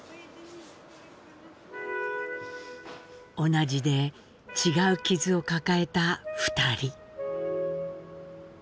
“同じで違う”傷を抱えた２人。